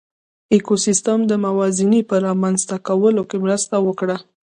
ایکوسېسټم د موازنې په رامنځ ته کولو کې مرسته وکړه.